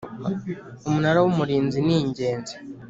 Umunara w’ Umurinzi ningenzi.